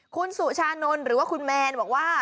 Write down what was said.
คุณสุชานนท์หรือว่าคุณแมนบอกว่า